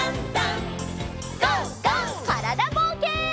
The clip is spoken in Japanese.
からだぼうけん。